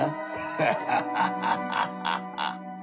ハハハハハハハ。